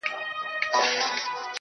ستا د سوځلي زړه ايرو ته چي سجده وکړه.